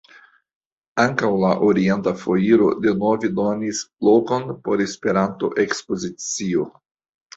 Ankaŭ la "Orienta Foiro" denove donis lokon por Espernto-ekspozicio.